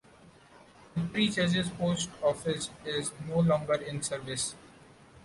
The Three Churches Post Office is no longer in service.